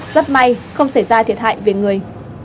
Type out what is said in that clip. rất may không xảy ra thiệt hại về người